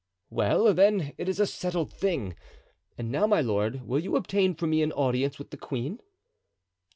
"Well, then, it is a settled thing; and now, my lord, will you obtain for me an audience with the queen?"